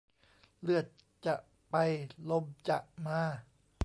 เลือดจะไปลมจะมา